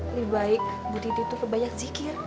lebih baik bu diti itu berbanyak zikir